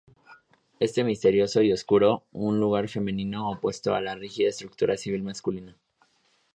Es misterioso y oscuro, un lugar femenino, opuesto a la rígida estructura civil masculina.